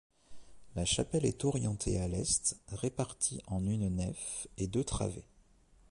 La chapelle est orientée à l'est, répartie en une nef et deux travées.